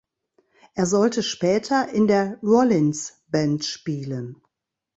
Er sollte später in der Rollins Band spielen.